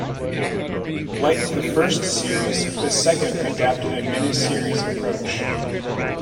Like the first series, the second adapted a mini-series approach.